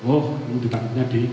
oh ini ditangkapnya di